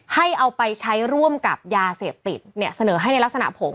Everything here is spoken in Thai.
ให้เอาไปใช้ร่วมกับยาเสพติดเนี่ยเสนอให้ในลักษณะผม